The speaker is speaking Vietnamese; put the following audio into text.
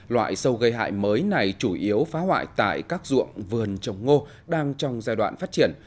loại sâu gây hại mới này chủ yếu phá hoại tại các ruộng vườn trồng ngô đang trong giai đoạn phát triển